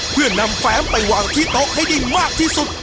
เพื่อนำแฟ้มไปวางที่โต๊ะให้ได้มากที่สุด